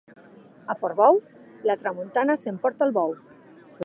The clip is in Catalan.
A Portbou, la tramuntana s'emporta el bou.